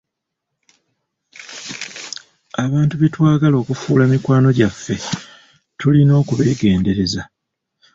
Abantu betwagala okufuula mikwano gyaffe tulina okubeegendereza.